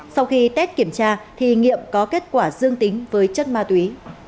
sau khi tết kiểm tra thì nghiệm có kết quả dương tính với chất ma túy